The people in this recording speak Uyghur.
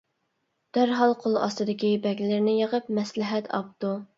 دەرھال قول ئاستىدىكى بەگلىرىنى يىغىپ مەسلىھەت ئاپتۇ.